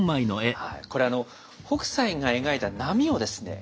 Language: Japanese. これはあの北斎が描いた波をですね